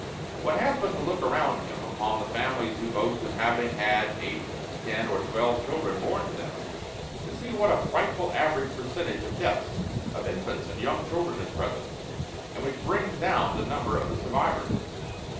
One has but to look around him upon the families who boast of having had eight, ten, and twelve children born to them, to see what a frightful average percentage of deaths of infants and young children is present, and which brings down the number of the survivors.